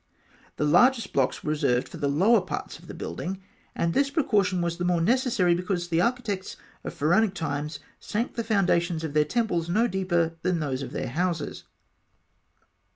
The largest blocks were reserved for the lower parts of the building; and this precaution was the more necessary because the architects of Pharaonic times sank the foundations of their temples no deeper than those of their houses.